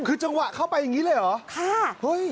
คือจังหวะเข้าไปอย่างนี้เลยเหรอ